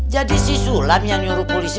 jadi si sulam yang nyuruh polisi